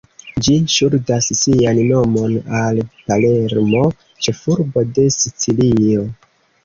Ĝi ŝuldas sian nomon al Palermo, ĉefurbo de Sicilio.